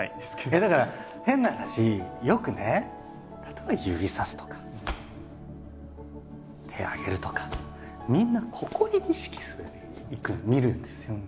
いやだから変な話よくね例えば指さすとか手上げるとかみんなここに意識する見るんですよ。